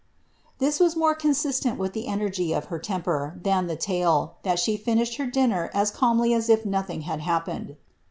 "^ This was more consistent with the energy of her temper, than the tale, that she finished her dinner as calmly as if nothing had happened.